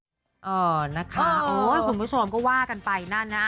เออนะคะโอ้ยคุณผู้ชมก็ว่ากันไปนั่นนะ